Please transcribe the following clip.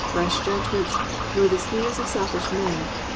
Rash judgments, nor the sneers of selfish men.